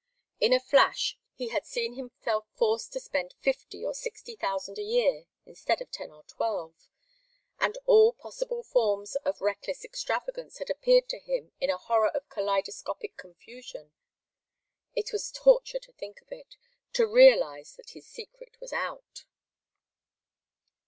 In a flash, he had seen himself forced to spend fifty or sixty thousand a year, instead of ten or twelve, and all possible forms of reckless extravagance had appeared to him in a horror of kaleidoscopic confusion. It was torture to think of it to realize that his secret was out.